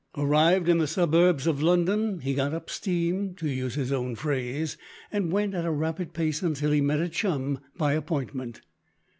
Arrived in the suburbs of London he got up steam, to use his own phrase, and went at a rapid pace until he met a "chum," by appointment.